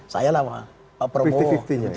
saya lah pak prabowo